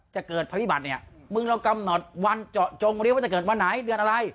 จะเกิดพฤบัติเนี่ยมึงเรากำหนดวันจองอะไรวันไหนเดือนอะไร